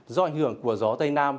do ảnh hưởng của gió tây nam